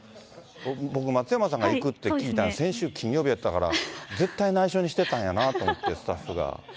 僕、松山さんが行くって聞いたの、先週金曜日やったから、絶対内緒にしてたんやなと思って、スタッフが。